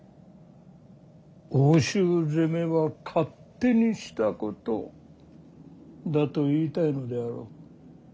奥州攻めは勝手にしたことだと言いたいのであろう。